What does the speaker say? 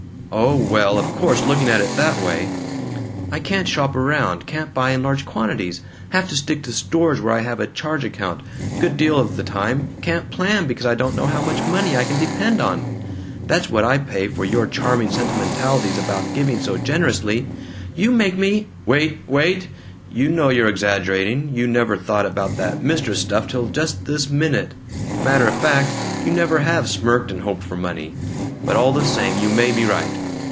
"Oh well, of course, looking at it that way " "I can't shop around, can't buy in large quantities, have to stick to stores where I have a charge account, good deal of the time, can't plan because I don't know how much money I can depend on. That's what I pay for your charming sentimentalities about giving so generously. You make me " "Wait! Wait! You know you're exaggerating. You never thought about that mistress stuff till just this minute! Matter of fact, you never have 'smirked and hoped for money.' But all the same, you may be right.